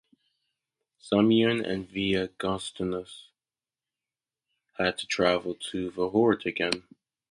Simeon and Theognostus had to travel to the Horde again.